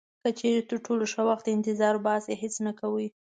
که چیرې تر ټولو ښه وخت ته انتظار باسئ هیڅ نه کوئ.